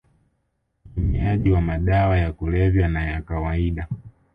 utumiaji wa madawa ya kulevya na ya kawaida